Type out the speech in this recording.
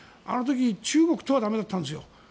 あの時、中国とはだめだったんです。